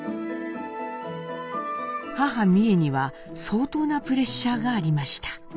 母美惠には相当なプレッシャーがありました。